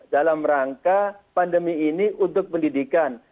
dalam rangka pandemi ini untuk pendidikan